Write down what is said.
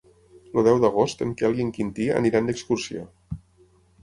El deu d'agost en Quel i en Quintí aniran d'excursió.